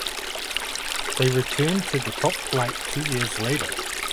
They returned to the top flight two years later.